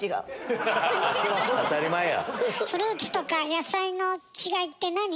当たり前や！